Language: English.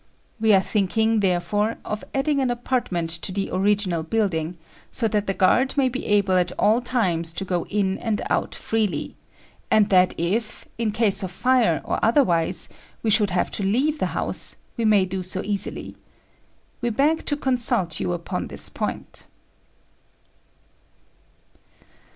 We are thinking, therefore, of adding an apartment to the original building, so that the guard may be able at all times to go in and out freely, and that if, in case of fire or otherwise, we should have to leave the house, we may do so easily. We beg to consult you upon this point."